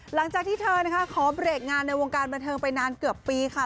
หลังจากที่เธอนะคะขอเบรกงานในวงการบันเทิงไปนานเกือบปีค่ะ